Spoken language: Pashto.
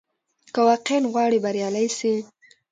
که واقعاً غواړې بریالی سې،